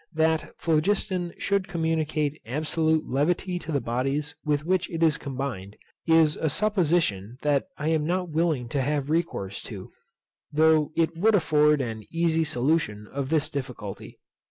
That phlogiston should communicate absolute levity to the bodies with which it is combined, is a supposition that I am not willing to have recourse to, though it would afford an easy solution of this difficulty.